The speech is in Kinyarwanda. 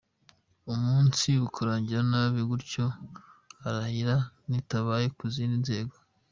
Umunsi ukarangira nabi gutyo irahira ritabaye ku zindi nzego.